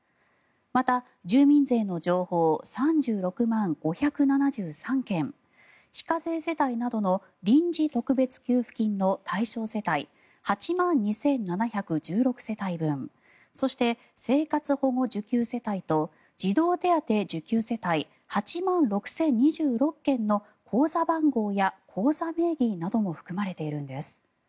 また、住民税の情報３６万５７３件非課税世帯などの臨時特別給付金の対象世帯８万２７１６世帯分そして、生活保護受給世帯と児童手当受給世帯８万６０２６件の口座番号や口座名義なども含まれているんです。